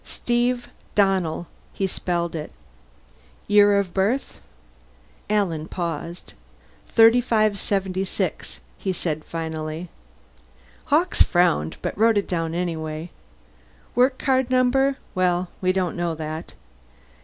"Steve Donnell." He spelled it. "Year of birth?" Alan paused. "3576," he said finally. Hawkes frowned, but wrote it down that way. "Work card number well, we don't know that.